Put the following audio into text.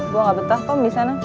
gua gak betah tommy bisa na